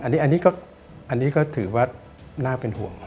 อันนี้ก็ถือว่าน่าเป็นห่วงครับ